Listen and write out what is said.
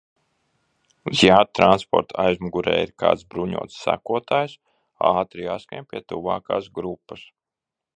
Ja transporta aizmugurē ir kāds bruņots sekotājs, ātri jāskrien pie tuvākās grupas.